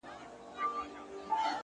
فکرونه د برخلیک تخمونه دي